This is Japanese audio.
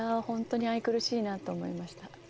本当に愛くるしいなと思いました。